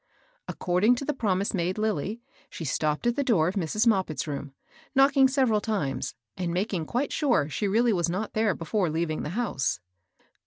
According to the promise made Lilly, she stopped at the door of Mrs. Moppit's room, knocking sev eral times, and making quite sure she really was not there before leaving the house.